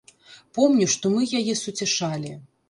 Помню, што мы яе суцяшалі.